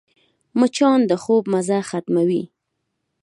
مچان د خوب مزه ختموي